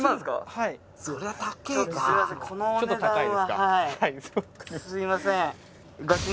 はいすいません